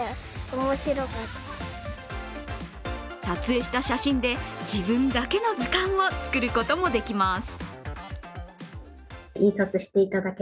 撮影した写真で、自分だけの図鑑を作ることもできます。